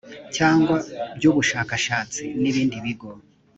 cyangwa by ubushakashatsi n ibindi bigo